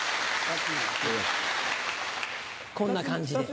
こんな感じで。